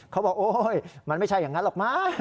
เขาบอกโอ๊ยมันไม่ใช่อย่างนั้นหรอกมั้ง